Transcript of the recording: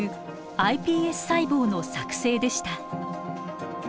ｉＰＳ細胞の作製でした。